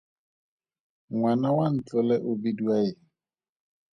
Ngwana wa Ntlole o bidiwa eng?